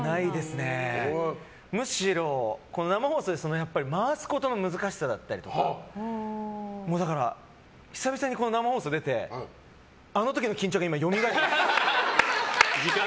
むしろ、生放送で回すことの難しさだったりとかだから、久々に生放送に出てあの時の緊張がよみがえる。